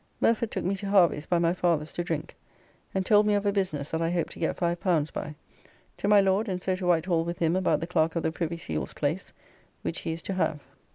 Murford took me to Harvey's by my father's to drink and told me of a business that I hope to get L5 by. To my Lord, and so to White Hall with him about the Clerk of the Privy Seal's place, which he is to have.